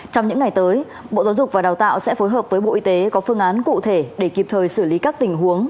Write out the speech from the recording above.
trong những ngày tới bộ giáo dục và đào tạo sẽ phối hợp với bộ y tế có phương án cụ thể để kịp thời xử lý các tình huống